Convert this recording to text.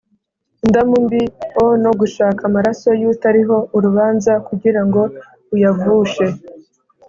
indamu mbi o no gushaka amaraso y utariho urubanza kugira ngo uyavushe